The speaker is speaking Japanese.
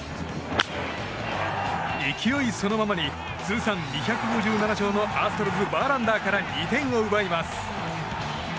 勢いそのままに通算２５７勝のアストロズ、バーランダーから２点を奪います。